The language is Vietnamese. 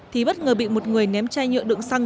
thì bất ngờ bị một người ném chai nhựa đựng xăng